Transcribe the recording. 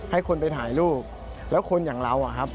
ให้คนไปถ่ายรูปแล้วคนอย่างเราอะครับ